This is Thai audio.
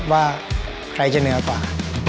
ว่าใครจะเหนือกว่า